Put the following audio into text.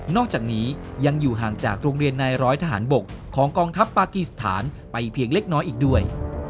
อกจากนี้ยังอยู่ห่างจากโรงเรียนนายร้อยทหารบกของกองทัพปากีสถานไปเพียงเล็กน้อยอีกด้วย